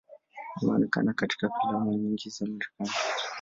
Ameonekana katika filamu nyingi za Marekani.